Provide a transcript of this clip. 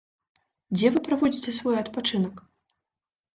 Дзе вы праводзіце свой адпачынак?